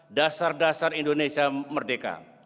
dulu ketika membahas dasar dasar indonesia merdeka